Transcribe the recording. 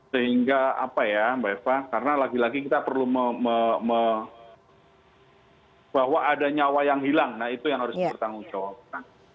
sehingga apa ya mbak eva karena lagi lagi kita perlu bahwa ada nyawa yang hilang nah itu yang harus dipertanggungjawabkan